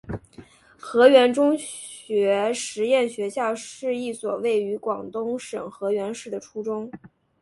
河源中学实验学校是一所位于广东省河源市的初中。